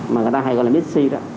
mà người ta hay gọi là mis c đó